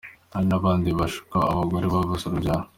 Hari nabandi bashuka abagore babuze urubyaro